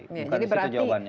bukan di situ jawabannya